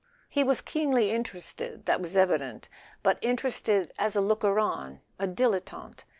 He was keenly interested, that was evident; but in¬ terested as a looker on, a dilettante.